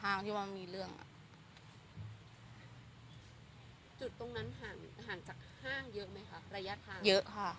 ห้างจากห้างเยอะไหมคะระยะทางเยอะค่ะ